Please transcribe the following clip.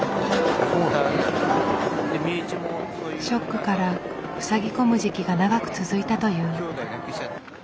ショックからふさぎ込む時期が長く続いたという。